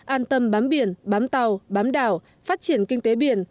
an tâm bám biển bám tàu bám đảo phát triển kinh tế biển